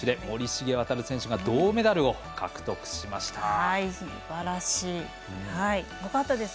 森重航選手が銅メダルを獲得しました。